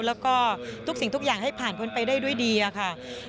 แล้วก็ทุกสิ่งทุกอย่างให้ผ่านพ้นไปได้ด้วยดีค่ะ